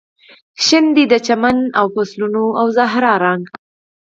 شین دی د چمن او فصلونو او زهرا رنګ